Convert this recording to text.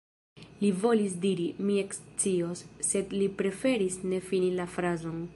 Li volis diri: „mi ekscios“, sed li preferis ne fini la frazon.